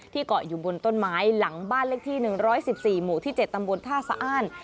เกาะอยู่บนต้นไม้หลังบ้านเลขที่๑๑๔หมู่ที่๗ตำบลท่าสะอ้าน